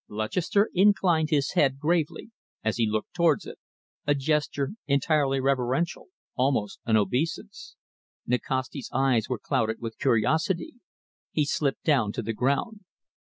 Lutchester inclined his head gravely, as he looked towards it, a gesture entirely reverential, almost an obeisance. Nikasti's eyes were clouded with curiosity. He slipped down to the ground.